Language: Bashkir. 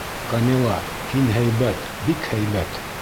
Камила, һин һәйбәт... бик һәйбәт.